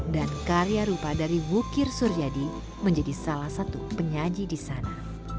dan karya rupa dari wukir suryadi menjadi salah satu penyaji di sana